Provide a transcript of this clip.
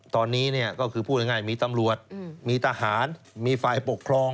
ตอนนี้ก็คือพูดง่ายมีตำรวจมีทหารมีฝ่ายปกครอง